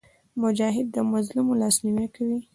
مجاهد د مظلوم لاسنیوی کوي.